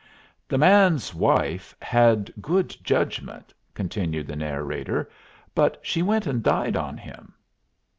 "The man's wife had good judgment," continued the narrator, "but she went and died on him."